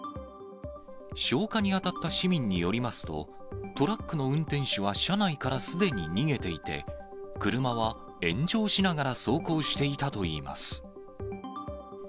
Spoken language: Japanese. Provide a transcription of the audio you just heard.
消火に当たった市民によりますと、トラックの運転手は車内からすでに逃げていて、車は炎上しながら走行していたといいます。